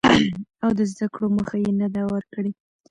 او د زده کړو مخه يې نه ده ورکړې.